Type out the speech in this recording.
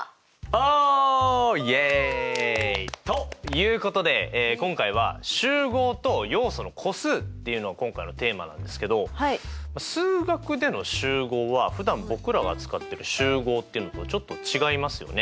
フウ！ということで今回は「集合と要素の個数」っていうのが今回のテーマなんですけど数学での集合はふだん僕らが使ってる集合っていうのとちょっと違いますよね。